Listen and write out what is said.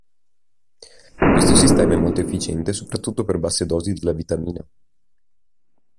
Questo sistema è molto efficiente soprattutto per basse dosi della vitamina.